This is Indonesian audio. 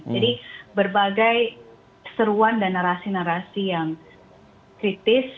jadi berbagai seruan dan narasi narasi yang kritis